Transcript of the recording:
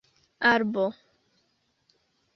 arbo